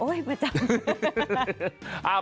ประจำ